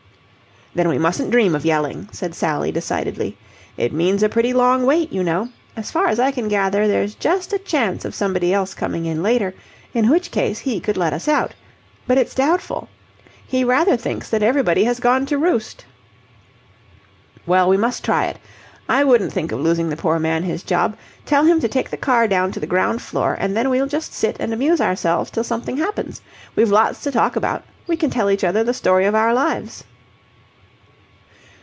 "Then we mustn't dream of yelling," said Sally, decidedly. "It means a pretty long wait, you know. As far as I can gather, there's just a chance of somebody else coming in later, in which case he could let us out. But it's doubtful. He rather thinks that everybody has gone to roost." "Well, we must try it. I wouldn't think of losing the poor man his job. Tell him to take the car down to the ground floor, and then we'll just sit and amuse ourselves till something happens. We've lots to talk about. We can tell each other the story of our lives."